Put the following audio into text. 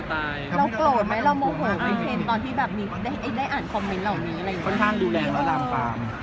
ค่อนข้างดูแลแล้วดามความ